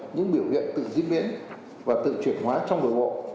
những biểu hiện tự diễn biến và tự chuyển hóa trong nội bộ